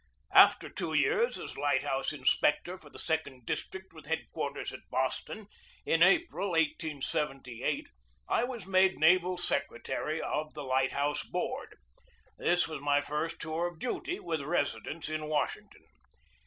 After two years as light house inspector for the second district, with head quarters at Boston, in April, 1878, 1 was made naval secretary of the light house board. This was my first tour of duty with residence in Washington.